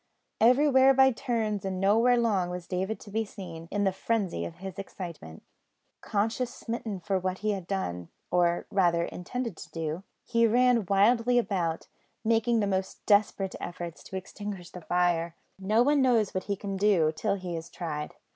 Everywhere by turns, and nowhere long, was David to be seen, in the frenzy of his excitement. Conscience smitten, for what he had done, or rather intended to do, he ran wildly about, making the most desperate efforts to extinguish the fire. No one knows what he can do till he is tried.